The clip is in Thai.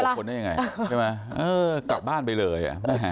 รวมกันเราอยู่ใช่ไหมล่ะกลับบ้านไปเลย